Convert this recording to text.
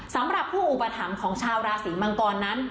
สำหรับผู้อุปถัมภ์ของชาวราศีมังกรนั้น